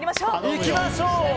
いきましょう。